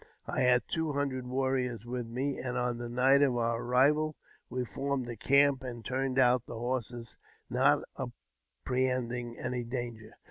I had two hundred warriors with me ; and on the night of our arrival we formed a camp and turnedj out the horses, not apprehending any danger.